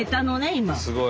今。